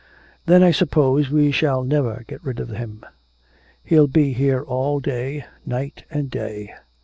'Then I suppose we shall never get rid of him. He'll be here all day, night and day.